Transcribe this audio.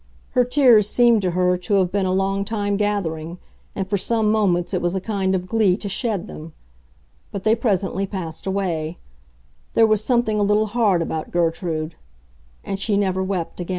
Her tears seemed to her to have been a long time gathering, and for some moments it was a kind of glee to shed them. But they presently passed away. There was something a little hard about Gertrude; and she never wept again. CHAPTER